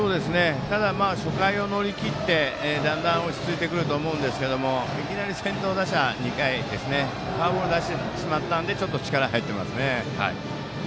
ただ、初回を乗り切ってだんだん落ち着いてくると思いますがいきなり先頭打者、２回にフォアボールを出してしまったのでちょっと力が入っていますね。